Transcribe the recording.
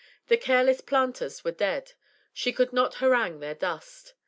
The careless planters were dead; she could not harangue their dust.